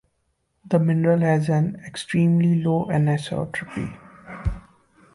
The mineral has an extremely low anisotropy.